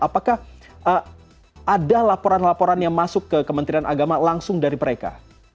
apakah ada laporan laporan yang masuk ke kementerian agama langsung dari mereka